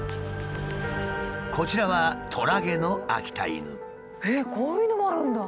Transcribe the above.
こちらはえっこういうのもあるんだ。